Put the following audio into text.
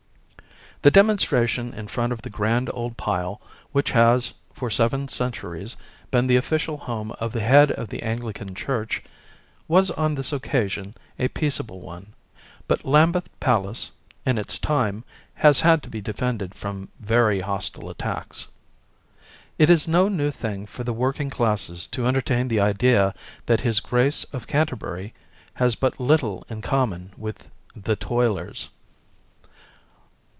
The demonstration in front of the grand old pile which has, for seven centuries, been the official home of the head of the Anglican Church, was on this occasion a peaceable one, but Lambeth Palace, in its time, has had to be defended from very hostile attacks. It is no new thing for the working classes to entertain the idea that His Grace of Canterbury has but little in common with "the toilers."